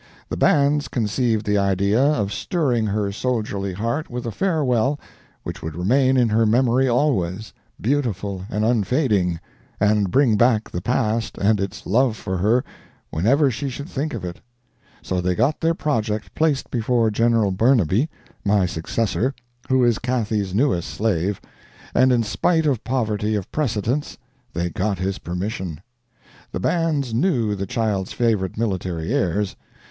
The bands conceived the idea of stirring her soldierly heart with a farewell which would remain in her memory always, beautiful and unfading, and bring back the past and its love for her whenever she should think of it; so they got their project placed before General Burnaby, my successor, who is Cathy's newest slave, and in spite of poverty of precedents they got his permission. The bands knew the child's favorite military airs.